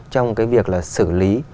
trong cái việc là xử lý